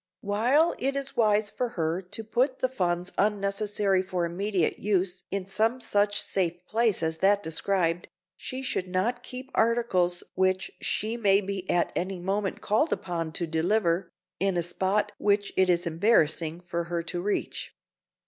While it is wise for her to put the funds unnecessary for immediate use in some such safe place as that described, she should not keep articles which she may be at any moment called upon to deliver, in a spot which it is embarrassing for her to reach.